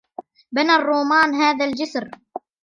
بنى الرومان هذا الجسر.